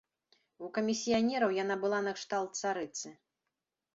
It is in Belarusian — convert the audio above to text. У камісіянераў яна была накшталт царыцы.